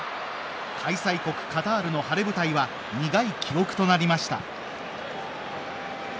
開催国カタールの晴れ舞台は苦い記憶となりました。